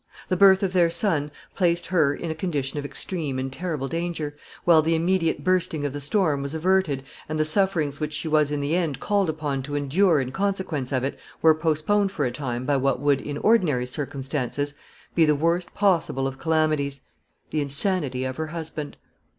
The birth of her son placed her in a condition of extreme and terrible danger, while the immediate bursting of the storm was averted, and the sufferings which she was in the end called upon to endure in consequence of it were postponed for a time by what would, in ordinary circumstances, be the worst possible of calamities, the insanity of her husband.